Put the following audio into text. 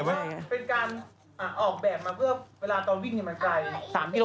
เป็นการออกแบบมาเพื่อเวลาตอนวิ่งมันไกล๓กิโล